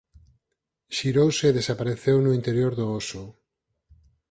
Xirouse e desapareceu no interior do Oso.